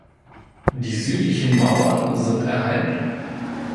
Die südlichen Mauern sind erhalten.